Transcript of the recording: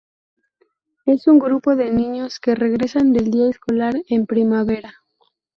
Es un grupo de niños que regresan del día escolar en primavera.